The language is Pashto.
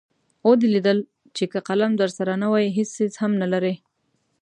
ودې لیدل چې که قلم درسره نه وي هېڅ څیز هم نلرئ.